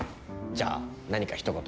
じゃあ何かひと言。